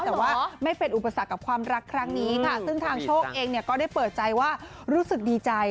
แต่ว่าไม่เป็นอุปสรรคกับความรักครั้งนี้ค่ะซึ่งทางโชคเองเนี่ยก็ได้เปิดใจว่ารู้สึกดีใจ